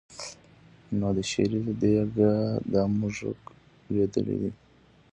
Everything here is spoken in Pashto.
نو د شېرې له دېګه دا موږک لوېدلی دی.